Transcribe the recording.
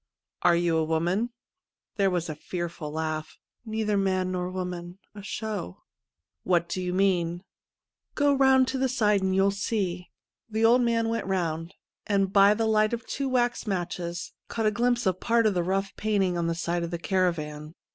' Are you a woman ?' There was a fearful laugh. ' Neither man nor woman — a show.' 105 THE END OF A SHOW ' What do you mean ?'' Go round to the side^ and you'll see.' The old man went round, and by the light of two wax matches caught a glimpse of part of the rough painting on the side of the caravan.